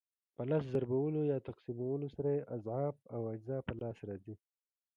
په لس ضربولو یا تقسیمولو سره یې اضعاف او اجزا په لاس راځي.